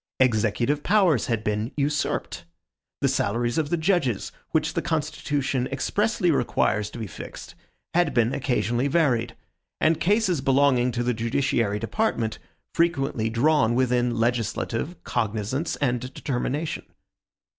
Executive powers had been usurped. The salaries of the judges, which the constitution expressly requires to be fixed, had been occasionally varied; and cases belonging to the judiciary department frequently drawn within legislative cognizance and determination.